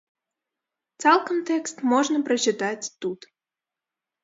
Цалкам тэкст можна прачытаць тут.